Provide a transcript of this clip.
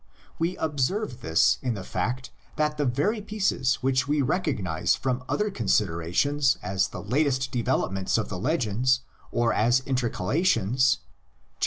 We observe this in the fact that the very pieces which we recognise from other consider ations as the latest developments of the legend or as intercalations (xiii.